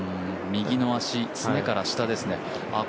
右の足、すねから下ですね。